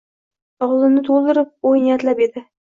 Og‘zini to‘ldirib o‘y-niyatlab edi.